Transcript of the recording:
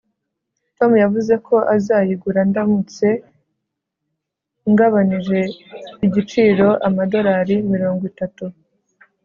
tom yavuze ko azayigura, ndamutse ngabanije igiciro amadorari mirongo itatu